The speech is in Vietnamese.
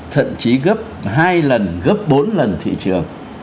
thậm chí gấp hai lần gấp bốn lần thị trường